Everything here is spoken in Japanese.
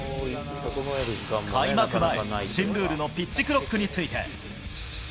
開幕前、新ルールのピッチクロックについて。